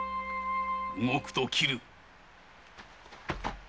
動くと斬る！